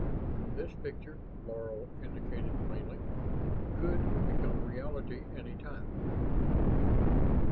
This picture, Laro indicated plainly, could become reality any time.